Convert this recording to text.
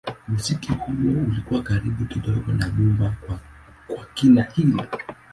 Muziki huo ulikuwa karibu kidogo na nyumbani kwa kina Hill.